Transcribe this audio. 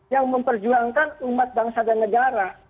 yang memperjuangkan umat bangsa dan negara